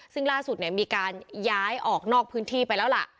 ซึ่งล่าสุดมีการย้ายออกนอกพื้นที่ไปแล้วล่ะ